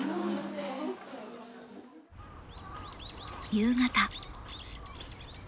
夕方。